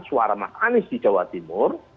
suara mas anies di jawa timur